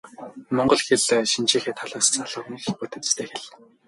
Монгол хэл хэв шинжийнхээ талаас залгамал бүтэцтэй хэл.